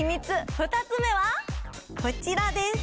２つ目はこちらです